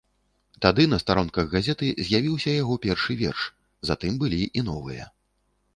Тады на старонках газеты з'явіўся яго першы верш, затым былі і новыя.